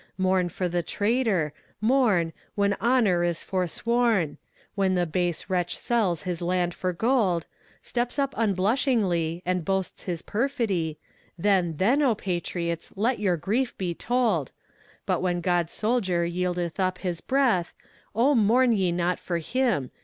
Mourn for the traitor mourn When honor is forsworn; When the base wretch sells his land for gold, Stands up unblushingly And boasts his perfidy, Then, then, O patriots! let your grief be told But when God's soldier yieldeth up his breath, O mourn ye not for him!